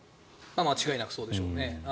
間違いなくそうでしょうね。